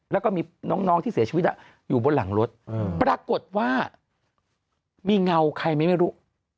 แล้วก็มีน้องที่เสียชีวิตอยู่บนหลังรถปรากฏว่ามีเงาใครไหมไม่รู้